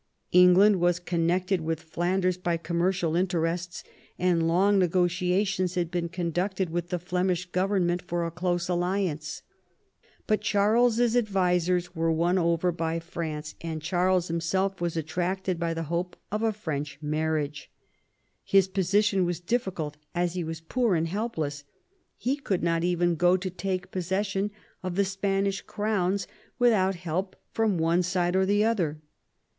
England was connected with Flanders by commercial interests, and long negotiations had been conducted with the Flemish Government for a close alliance. But Charles's advisers were won over by France, and ChsLrles himself was attracted by the hope of a French marriage. His position was difficult, as he was poor and helpless; he could not even go to take possession of the Spanish Crowns without help from one side or the other.